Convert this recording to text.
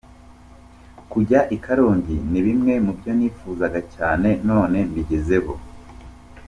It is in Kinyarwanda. Kujya i Karongi ni bimwe mu byo nifuzaga cyane none mbigezeho.